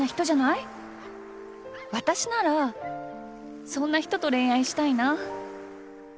私ならそんな人と恋愛したいな。